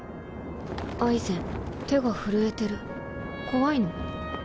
アイゼン手が震えてる怖いの？